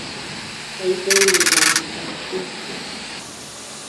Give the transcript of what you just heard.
Taytaymi llant'a ch'iqtaq.